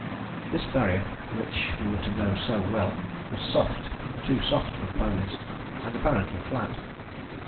This Barrier, which we were to know so well, was soft, too soft for the ponies, and apparently flat.